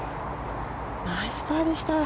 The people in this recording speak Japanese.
ナイスパーでした。